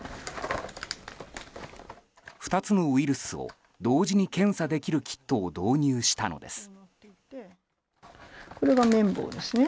２つのウイルスを同時に検査できるキットを導入したのです。